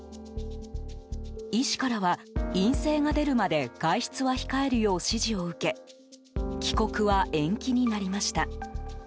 医師からは陰性が出るまで外出は控えるよう指示を受け帰国は延期になりました。